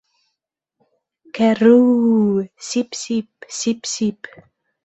— Кәрррүүү, сип-сип, сип-сип...